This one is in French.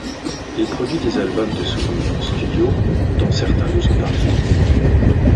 Il produit des albums de souvenirs en studio, dont certains nous sont parvenus.